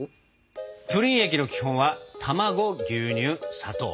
プリン液の基本は卵牛乳砂糖。